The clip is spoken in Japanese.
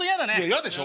嫌でしょ？